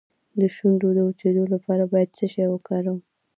د شونډو د وچیدو لپاره باید څه شی وکاروم؟